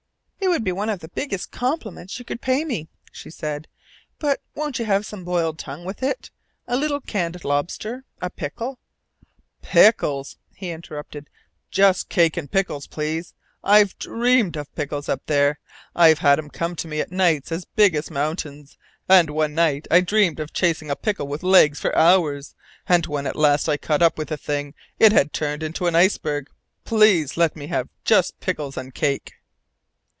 "It would be one of the biggest compliments you could pay me," she said. "But won't you have some boiled tongue with it, a little canned lobster, a pickle " "Pickles!" he interrupted. "Just cake and pickles please! I've dreamed of pickles up there. I've had 'em come to me at night as big as mountains, and one night I dreamed of chasing a pickle with legs for hours, and when at last I caught up with the thing it had turned into an iceberg. Please let me have just pickles and cake!"